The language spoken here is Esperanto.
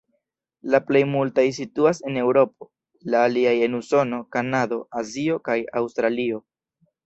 La plej multaj situas en Eŭropo, la aliaj en Usono, Kanado, Azio kaj Aŭstralio.